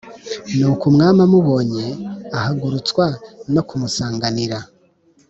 Nuko umwami amubonye ahagurutswa no kumusanganira